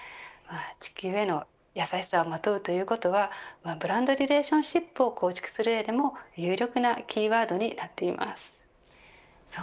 地球への優しさをまとうということはブランド・リレーションシップを構築する上でも有力なキーワードになっています。